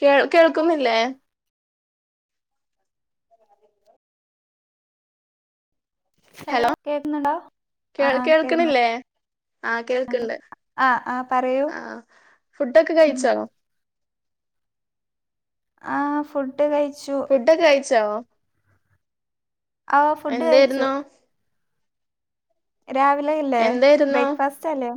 കേ കേൾക്കുന്നില്ലേ. ഹലോ ആ കേ ആ കേക്കുന്നുണ്ട് കേൾക്കണില്ലേ. ആ, കേൾക്ക്ണ്ട്. ആ ആ പറയൂ ആ ഫുഡൊക്കെ ഉം കഴിച്ചോ? ആ, ഫുഡ് കഴിച്ചു. ഡോക്കെ കഴിച്ചോ? ഓ ഫുഡ് കഴിച്ചു. എന്തായിരുന്നു രാവിലെ അല്ലേ എന്തായിരുന്നു ബ്രേക്ക്ഫാസ്റ്റ് അല്ലേ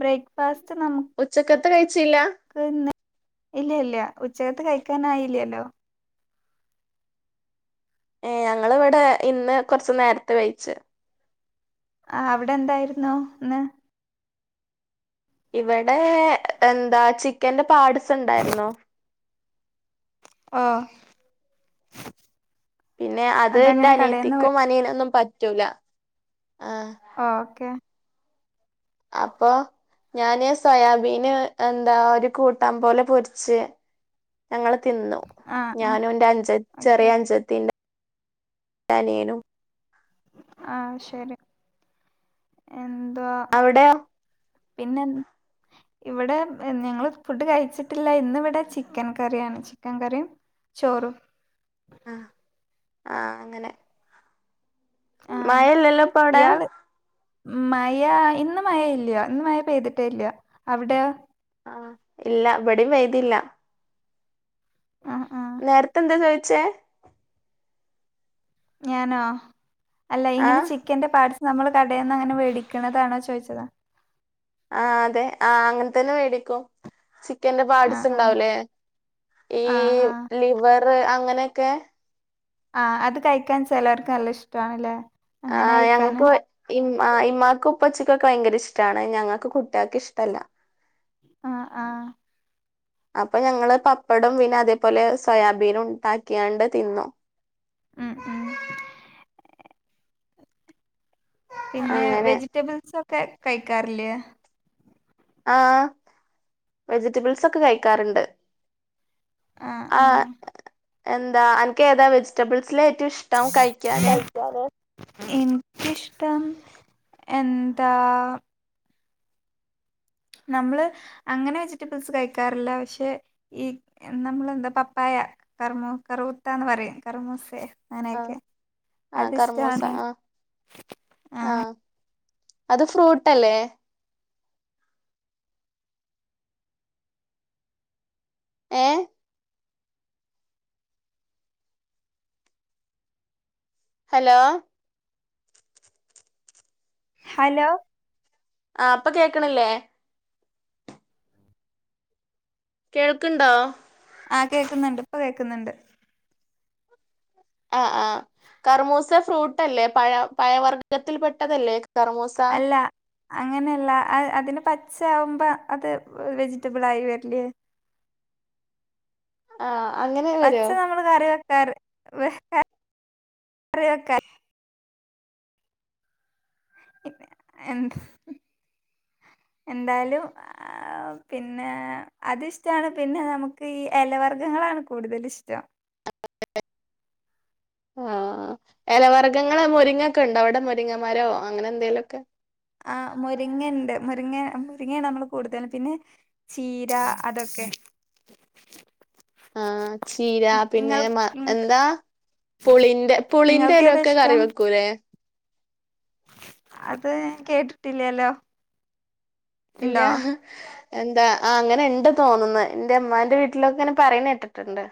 ബ്രേക്ക്ഫാസ്റ്റ് നമു ഉച്ചക്കത്തെ കഴിച്ചില്ല. ഇല്യല്ല ഉച്ചകത്തെ കഴിക്കാനായില്ലല്ലോ. ഏ, ഞങ്ങിവിടെ ഇന്ന് കുറച്ച നേരത്തെ കയിച്ച്. ആ അവിടെ എന്തായിരുന്നു ഇന്ന്. ഇവിടെ എന്താ ചിക്കന്റെ പാഡ്‌സ് ഉണ്ടായിരുന്നു. ഓ. പിന്നെ അത് എന്റെ അതങ്ങനെ കടേന്ന് വേ അനിയത്തിക്കും അനിയാനൊന്നും പറ്റൂല. ആ ഓക്കെ. അപ്പൊ. ഞാന് സോയാബീന് എന്താ ഒരു കൂട്ടാൻ പോലെ പൊരിച്ച്. ഞങ്ങള് തിന്നു ആ ആ ഞാനും എന്റെ അഞ്ച ഓക്കെ ചെറിയ അഞ്ചത്തിണ്ട് ഒരനിയനും. ആഹ് ശരി എന്തുവാ. അവിടെയോ. പിന്നെ. ഇവിടെ ഞങ്ങള് ഫുഡ് കഴിച്ചിട്ടില്ല. ഇന്നിവിടെ ചിക്കൻ കറിയാണ് ചിക്കൻ കറിയും. ചോറും. ആ ആ അങ്ങനെ. മയല്ലല്ലോപ്പവിടെ. മയ ഇന്ന് മയ ഇല്ല്യ ഇന്ന് മയ പെയ്തിട്ടേ ഇല്ല അവിടെയോ. ആഹ് ഇല്ല വ് ടേം വൈതില്ല. ആ ആ നേരത്തെ എന്താ ചോദിച്ചേ. ഞാനോ അല്ല ആ ഇങ്ങനെ ചെ ക്കിന്റെ പാട്സ് നമ്മള് കടെന്ന് അങ്ങനെ വേടിക്കണതാണോ ചോദിച്ചതാ. ആ അതെ ആ അങ്ങനെ തന്നെ മേടിക്കും. ചി ക്കന്റെ ആ പാർട്സ് ആ ഇണ്ടാവുലെ ഈ ആ ആ ലിവർ അങ്ങനെയൊക്കെ. ആഹ് അത് കഴിക്കാൻ ചെലർക്ക് നല്ല ഇഷ്ട്ടോണല്ലേ. ആ ഞങ്ങക്ക് ഭ ഇ ഇമ്മാക്ക് ഉപ്പച്ചിക്കൊക്കെ ഭയങ്കര ഇഷ്ട്ടാണ് ഞങ്ങക്ക് കുട്ടിയക്ക് ഇഷ്ടല്ല. ആഹ്, ആഹ് അപ്പൊ ഞങ്ങള് പപ്പടും പിന്നെ അതേപോലെ സോയാബീനും ഉണ്ടാക്കിയാണ്ട് തിന്നോ. ആ, ആ പിന്നെ വെജി അങ്ങനെ വെജിറ്റബിൾസൊക്കെ കൈക്കാറില്ലേ. ആ വെജിറ്റബിൾസൊക്കെ കഴിക്കാറുണ്ട്. ആ എന്താ അനക്ക് ഏതാ വെജിറ്റബിൾസിലെറ്റവും ഇഷ് കഴിക്കാറ്. എനിക്കിഷ്ടം എന്താ. നമ്മള് അങ്ങനെ വെജിറ്റബിൾസ് കഴിക്കാറില്ല പക്ഷെ. ഈ നമ്മളെന്താ പപ്പായ കറ്‌മൂ കറൂത്തന്ന് പറയും കറമൂസയെ. ആഹ് അങ്ങനെയൊക്കെ ആഹ് കർമൂസ അത്ഷ്ടാണ് ആഹ് ആഹ്. അത് ഫ്രൂട്ടല്ലേ. ഏഹ്. ഹലോ. ഹലോ. ആഹ് ഇപ്പ കേക്കണില്ലേ. കേൾക്ക്ണ്ടോ. ആഹ് കേക്കുന്നുണ്ട് ഇപ്പൊ കേക്കുന്നുണ്ട്. ആഹ് ആഹ് കർമൂസ ഫ്രൂട്ടല്ലേ പഴ പഴവർഗത്തിൽപെട്ടതല്ലേ കർമൂസ്. അല്ല. അങ്ങനെയല്ല അയ് അതിന് പച്ച ആവുമ്പോ അത് വെജിറ്റബിൾ ആയി വരില്ലേ. ആഹ് അങ്ങനെ. വരോ പച്ച നമ്മള് കറി വെക്കാറ് വ കറി വെക്കാ. പിന്നെ എന്ത എന്തായ്ലും. ആ പിന്നെ അത്ഷ്ടാണ് പിന്നെ നമുക്ക് ഈ ഇലവർഗങ്ങളാണ് കൂടുതല്ഷ്ടം. ആഹ്. ഇലവർഗ്ഗങ്ങള് മുരിങ്ങൊക്കെണ്ടൊ അവിടെ മുരിങ്ങമാരോ അങ്ങനെന്തേലൊക്കെ. ആഹ് മുരിങ്ങണ്ട് മുരിങ്ങ മുരിങ്ങെ നമ്മള് കൂടുതല് പിന്നെ. ചീര അതൊക്കെ. ആഹ് ചീര പിന്നെ നിങ്ങൾ മ എന്താ. പുളിന്റെ നിങ്ങൾക്ക് ഏതാ പുളിന്റെലൊക്കെ കറി ഇഷ്ടം വെക്കൂലേ. അത് കേട്ടിട്ടില്ലേലോ. ഇല്ലാ. എന്താ ആ അങ്ങനെ ഇണ്ട് തോന്നുന്നത് ഇന്റെ അമ്മാന്റെ വീട്ടിലൊക്കെങ്ങനെ പറയുന്ന കേട്ടിട്ടുണ്ട്.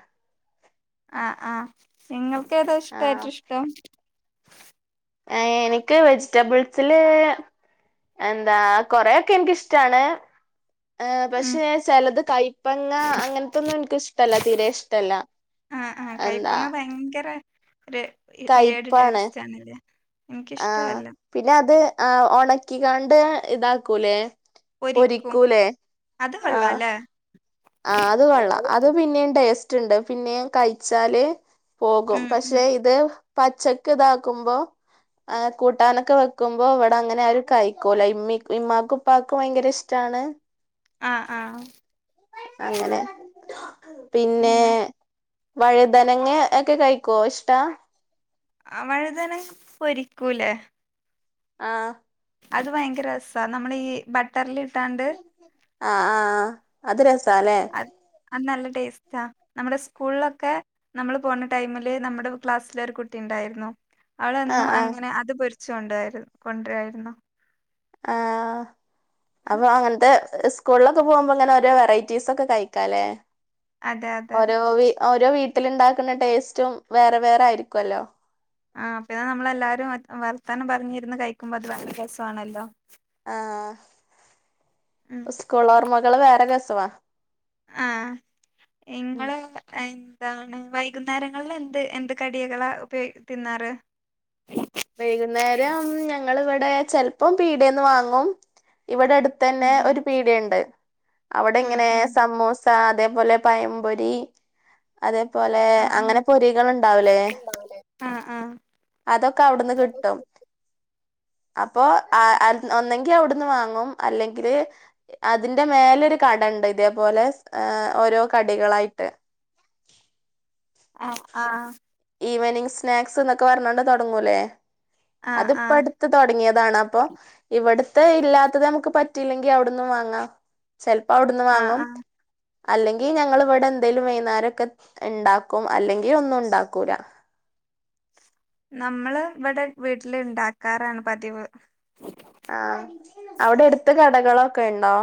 ആഹ് ആഹ് നിങ്ങൾക്കേതോ ആ ഇഷ്ട്ടം ഏറ്റവും ഇഷ്ടം. ഏ എനിക്ക് വെജിറ്റബിൾസില്. എന്താ കൊറെയൊക്കെ എനിക്കിഷ്ടാണ്. ഏ ഉം പക്ഷേ ചിലത് കയ്പ്പങ്ങ അങ്ങനത്തൊന്നും എൻക്ക് ഇഷ്ടല്ല തീരെ ഇഷ്ടല്ല. എന്താ. ഒര് പിയേട്. [unintelligible] ആഹ് പിന്നത് ആഹ് ഉണക്കികാണ്ട് ഇതാക്കൂലേ. പൊരിക്കും പൊരിക്കൂലേ അത് ആഹ് കൊള്ളാല്ലേ ആ അത് കൊള്ളാം അത് പിന്നേം ടേസ് റ്റ്ണ്ട് പിന്നെയും കഴിച്ചാല് പോകും ഉം ഉം പക്ഷെ ഇത്. പച്ചക്ക് ഇതാക്കുമ്പൊ. ആ കൂട്ടാനൊക്കെ വെക്കുമ്പൊ ഇവടെ അങ്ങനെ ആരും കഴിക്കൂല ഇമ്മി ഇമ്മാക്കും ഉപ്പാക്കും ഭയങ്കരഷ്ടാണ്. ആഹ് ആഹ്. അങ്ങനെ പിന്നെ. വഴുതനങ്ങെ ഒക്കെ കഴിക്കുവോ ഇഷ്ടാ. അ വഴുതന പൊരിക്കൂലേ. ആഹ്. അത് ഭയങ്കര രസാ നമ്മളെ ഈ ബട്ടർലിട്ടാണ്ട്. ആഹ് ആഹ് ആഹ് അത് രസാലേ. അത് നല്ല ടേസ്റ്റ നമ്മടെ സ്കൂളൊക്കെ നമ്മള് പോണ ടൈമില് നമ്മടെ ക്ലാസ്സിലൊരു കുട്ടി ഇണ്ടായിരുന്നു ആഹ് അവളെന്നും ആഹ് അങ്ങനെ അത് പൊരിച്ച് കൊണ്ടാരു കൊണ്ട്രാരുന്നു ആഹ് അപ്പൊ അങ്ങൻത്തെ സ് കൂളൊക്കെ പോവുമ്പോ ഇങ്ങനെ ഓരോ വെറൈറ്റീസ് ഒക്കെ കഴിക്കാലേ അതെ അതെ ഓരോ വീ ഓരോ വീട്ട്ല് ഇണ്ടാക്ക്ന്ന ടേസ്റ്റും വേറെ വേറെ ആയിരിക്കൊല്ലോ ആഹ് അപ്പ നമ്മളെല്ലാരും വർത്താനം പറഞ്ഞിരുന്ന് കഴിക്കുമ്പോ അത് ഭയങ്കര രസാണല്ലോ ആഹ് ഉം ഇസ്കൂൾ ഓർമ്മകള് വേറ രസവാ ആഹ് ഇങ്ങള് എ താണ് വൈകുന്നേരങ്ങളിൽ എന്ത് എന്ത് കടികള ഉപയോ തിന്നാറ് വൈകുന്നേരം ഞങ്ങള് ഇവടെ ചെല്പ്പം പീടേന്ന് വാങ്ങും ഇവടെ അട് ഉം തന്നെ ഉം ഒരു പീടണ്ട് ഉം അവടെങ്ങനെ ഉം സമൂ സ അതേപോലെ പയം പൊരി അതേപോലെ ആ ആ അങ്ങനെ പൊരികൾ ണ്ടാവ് ലേ ഉണ്ടാവൂലേ ആ അതൊ ട്ന്ന് കിട്ടും അപ്പോ ആഹ് ഒന്ന ങ്കി അവ്ട്ന്ന് വാങ്ങും അല്ലെങ്കില് അതിന്റെ മേലൊരു കടണ്ട് ഇതേപോലെ ഏഹ് ഓരോ കടികളായിട്ട് ആഹ് ആഹ് ഈവനിങ് സ്നാക്സ് ന്നൊക്കെ പറഞ്ഞോണ്ട് തൊടങ്ങൂല്ലേ ആ ആ അതിപ്പട് ത്ത് തൊടങ്ങേതാണ് അപ്പൊ ഇവട്ത്തെ ഇല്ലാത്തത് നമുക്ക് പറ്റില്ലെങ്കി അവ്ട്ന്നും വാങ്ങാ ചെല്പ്പ അവ്ട്ന്ന് ആ വാങ്ങും ആ അല്ലെങ്കി ഞങ്ങൾ ഇവടെ എന്തേലും വൈന്നാരൊക്കെ ഇണ്ടാക്കും അല്ലെങ്കി ഒന്നുണ്ടാക്കൂല നമ്മള് ഇവടെ വീട്ടില് ഇണ്ടാക്കാറാണ് പതിവ് ആഹ് അവടെ എട്ത്ത് കടകളൊക്ക ണ്ടോ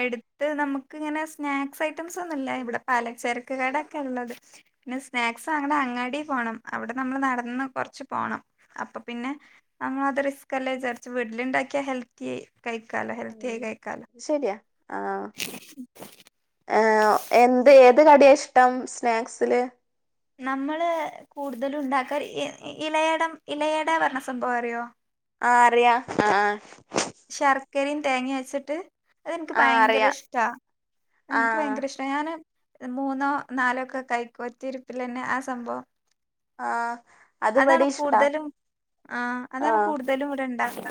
എട്ത്ത് നമുക്ക് ഇങ്ങനെ സ്നാക്സ് ഐറ്റംസ് ഒന്നുല്ല ഇവടെ പലച്ചരക്ക് കടക്കെ ഇള്ളത് പിന്നെ സ്നാക്സ് അങ്ങട് അങ്ങാടി പോണം അവടെ നമ്മള് നടന്ന് കൊറച്ച് പോണം അപ്പ പിന്നെ നമ്മളത് റിസ്ക്കെല്ലേ വിചാരിച്ച് വീട്ട്ലിണ്ടാക്ക്യാ ഹെൽത്തി കഴിക്കാലോ ഹെൽത്തി ആയി കഴി ശെരാ ആഹ് ഏ എന്ത് ഏത് കടിയാ ഇഷ് ട്ടം സ്നാക്സിൽ നമ്മള് കൂട്തലും ഇണ്ടാക്കാറ് ഇ ഇലയടം ഇലയട പർണ സംഭവറിയോ ആഹ് അറിയ ആഹ് ആഹ് ശർക്കരിം തേങ്ങിം വെച്ചിട്ട് അതെനിക്ക് ആഹ് ഭയങ്കര അറിയാ ഇഷ്ട്ടാ അതെനിക്ക് ആഹ് ഭയങ്കര ഇഷ് ട്ട ഞാൻ മൂന്നോ നാലോ ഒക്കെ കഴിക്കും ഒറ്റ ഇരുപ്പിലന്നെ ആ സംഭവം ആഹ് അത് അതാണ് ഇവിടെ ഇഷ്ടാ കൂട്തലും ആഹ് അതാണ് ആഹ് കൂട്തലും ഇവട ഇണ്ടാക്ക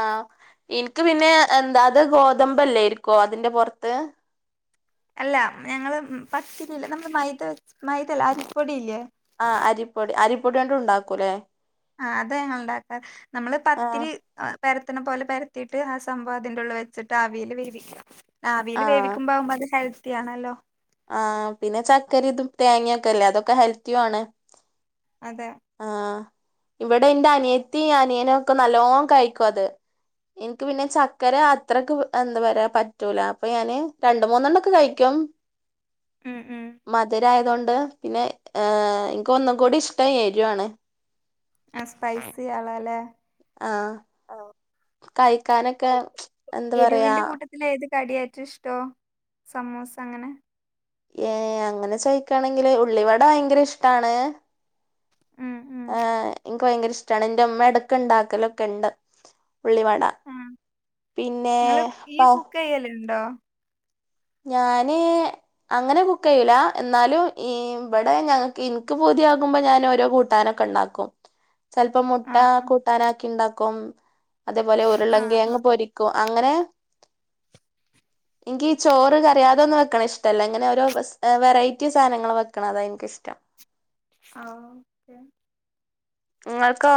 ആഹ് ഇന്ക്ക് പിന്നെ എന്താത് ഗോതമ്പല്ലേരിക്കോ അതിന്റെ പൊറത്ത് അല്ല ഞങ്ങള് പത്തിരില്ലേ നമ്മള് മൈദ വെച്ച് മൈദല്ല അരിപ്പൊടില്ലേ ആഹ് അരിപ്പൊടി അരിപ്പൊടിയോടും ണ്ടാക്കുല്ലേ ആഹ് അതാ ഞങ്ങൾ ഇണ്ടാക്കാറ് നമ്മള് ആഹ് പത്തിരി ആഹ് പെര്ത്ത്ണ പോലെ പെരത്തീട്ട് ആ സംഭവം അതിന്റെ ഉള്ള് വെച്ച്ട്ട് ആവീൽ വേവിക്ക ആവീൽ ആഹ് വേവിക്കുമ്പ ആവുമ്പ അത് ഹെൽത്തി ആണല്ലോ ആഹ് പിന്നെ ചക്കരി ഇതും തേങ്ങേ ക്കല്ലേ അതൊക്കെ ഹെൽത്തിയാണ് അതെ ആഹ് ഇവടെ ന്റെ അനിയത്തി അനിയനൊക്കെ നല്ലോം കഴിക്കും അത് ഇന്ക്ക് പിന്നെ ചക്കര അത്രക്ക് എന്താ പറാ പറ്റൂല അപ്പൊ ഞാന് രണ്ട് മൂന്നെണക്കെ കഴിക്കും ഉം ഉം [unintelligible] മധുരായതോണ്ട് പിന്നെ ഏ എനിക്ക് ഒന്നും കൂടി ഇഷ്ടം എരുആണ് ആ സ്പൈസി ആളാലേ ആഹ് കഴിക്കാനൊക്കെ എന്താ പറയാ ഇതിലേത് കടിയാറ്റോഷ്ടോ സമൂസ അങ്ങനെ ഏ അങ്ങനെ ചോയിക്കാണെങ്കില് ഉള്ളി വട ഭയങ്കര ഇഷ്ടാണ് ഉം ഉം ഹ് എനിക്ക് ഭയങ്കര ഇഷ്ടമാണ് എന്റെ മ്മ എടക് ണ്ടാക്കലൊക്കെണ്ട് ഉള്ളി വടാ ആ പിന്നേ പ്പ കുക്കയ്യലുണ്ടോ ഞാന് അങ്ങനെ കുക്ക് ചെയില എന്നാലും ഈ ഇവിടെ ഞങ്ങക്ക് ഇനിക്ക് പൂതിയാകുമ്പോ ഞൻ ഓരോ കൂ ട്ടാനൊക്കെ ഉണ്ടാക്കും ചിലപ്പോ മുട്ട ആ കൂട്ടാനാക്കി ഉണ്ടാക്കും അതേപോലെ ആ ആ ഉരുളങ്കിയങ് പൊരി ക്കു അങ്ങനെ ഇൻക്കി ചോറ് കറി അതൊന്നും വെക്കണ ഇഷ്ടല്ല അങ്ങനെ ഓരോ വെറൈറ്റി സാധങ്ങള് വെക്കണം അതാണ് എനിക്കിഷ്ടം ആഹ് ഓക്കെ ഇങ്ങൾക്കോ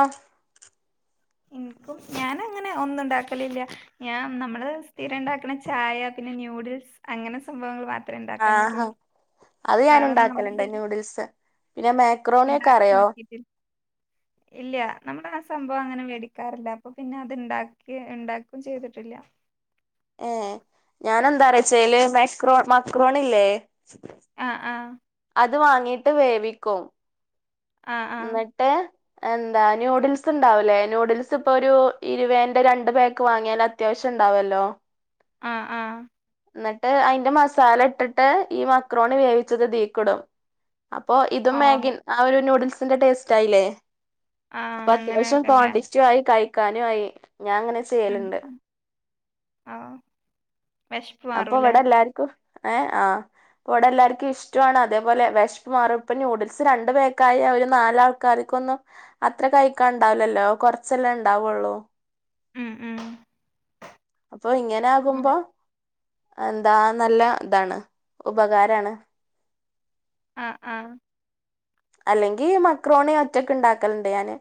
ഇൻക്കും ഞാനങ്ങനെ ഒന്നും ഉണ്ടാക്കലില്ല ഞാൻ നമ്മള് സ്ഥിരം ഉണ്ടാക്കണ ചായ പിന്നെ ന്യൂഡിൽസ് അങ്ങനെ സംഭവങ്ങൾ മാ ആഹാ അത് വേറൊന്നും ഞാന്ണ്ടാക്കലണ്ട് നമ്മളിതുവരെ ന്യൂഡിൽസ് പിന്നെ മാ ഉണ്ടാക്കി നോക്കിട്ടില്ല ഇല്ല നമ്മളാ സംഭവം അങ്ങനെ മേടിക്കാറില്ല അപ്പൊ പിന്നെ അത്ണ്ടാക്കി ഉണ്ടാക്കും ചെയ്തിട്ടില്ല ഏ ഞാനെന്താ അറിച്ചല് മക്രോ മക്രോണില്ലേ ആഹ് ആഹ് അത് വാങ്ങിയിട്ട് വേവിക്കും ആ ആ ന്നിട്ട് എന്താ ന്യൂഡിൽസ് ണ്ടാവുലേ ന്യൂഡിൽസ് ഇപ്പൊ ഒരു ഇരുപേന്റെ രണ്ട് പാക്ക് വാങ്ങിയാൽ അത്യാവശ്യം ഇണ്ടാവല്ലോ ആഹ് ആഹ് ന്നിട്ട് അതിന്റെ മസാല ഇട്ടിട്ട് ഈ മക്രോൺി വേവിച്ചത് ഇതീക്കിടും അപ്പൊ ഇതും ഓ മാഗി ആ ഒരു നൂഡിൽസിന്റെ ടേസ്റ്റ് ആയില്ലേ ആ അപ്പൊ അത്യാവശ്യം അങ്ങനെയൊക്കെല്ലേ കോണ്ടിസ്റ്റു ആയി കഴിക്കാനുംആയി ഞാൻങ്ങനെ ഉം ഉം ഓ വിശപ്പ് അപ്പൊ മാറൂലേ ഇവിടെ എല്ലാർക്കും ഏ ആ ഇവിടെ എല്ലാർക്കും ഇഷ്ടമാണ് അതേപോലെ വിശപ് മാറും ഇപ്പം ന്യൂഡിൽസ് രണ്ട് പേർക്കായ ഒരു നാലാൾ കറിക്കൊന്നും അത്ര കഴിക്കാ ഒണ്ടാവില്ലല്ലോ കൊറച്ചെല്ലെ ഒണ്ടാവുള്ളൂ ഉം ഉം അപ്പൊ ഇങ്ങനെ അങ്ങനെ. ആകുമ്പോ എന്താ നല്ല ഇതാണ് ഉപകാരാണ് ആഹ് ആഹ് അല്ലെങ്കി മക്രോണി ഒറ്റക്കുണ്ടാക്കലുണ്ട് ഞാന്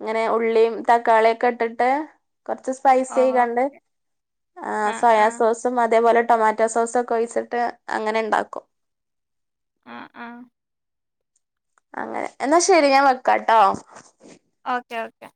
ഇങ്ങനെ ഉള്ളിയും തക്കാളിയക്കെ ഇട്ടിട്ട് കുറച്ച് സ്പയ്‌സി ആയിക്കാണ്ട് ഓക്കെ ആ സോയാ സോസ് ഇതും അതേപോലെ ടൊമാറ്റോ സോസൊക്കെ ഒഴിച്ചിട്ട് അങ്ങനെ ഉണ്ടാക്കും ആഹ് ആഹ് അങ്ങനെ എന്നാ ശരി ഞാൻ വെക്കാട്ടോ ഓക്കെ ഓക്കേ